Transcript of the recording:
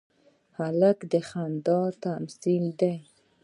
هلک د خندا تمثیل دی.